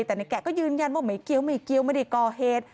แต่ในแกะก็ยืนยันว่าไม่เกี่ยวไม่เกี่ยวไม่ได้ก่อเหตุ